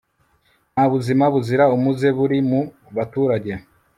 nta buzima buzira umuze buri mu baturage